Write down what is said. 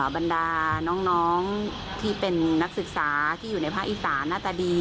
บรรดาน้องที่เป็นนักศึกษาที่อยู่ในภาคอีสานหน้าตาดี